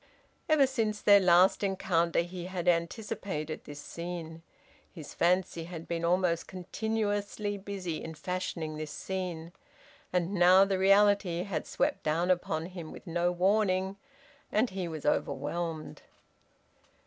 Ever since their last encounter he had anticipated this scene; his fancy had been almost continuously busy in fashioning this scene. And now the reality had swept down upon him with no warning, and he was overwhelmed.